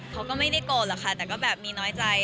เขาก็ไม่ได้โกรธหรอกค่ะแต่ก็แบบมีน้อยใจ